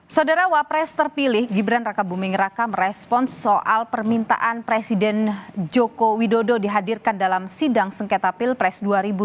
saudara wapres terpilih gibran raka buming raka merespons soal permintaan presiden joko widodo dihadirkan dalam sidang sengketa pilpres dua ribu dua puluh